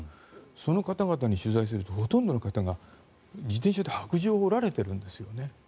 その方々に取材をするとほとんどの方が自転車で白杖を折られてしまっているんですね。